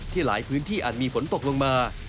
หลายพื้นที่อาจมีฝนตกลงมา